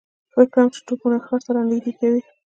فکر کوم چې توپونه ښار ته را نږدې کوي.